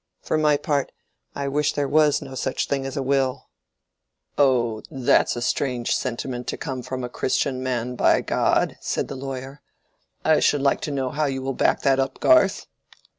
For my part, I wish there was no such thing as a will." "That's a strange sentiment to come from a Christian man, by God!" said the lawyer. "I should like to know how you will back that up, Garth!"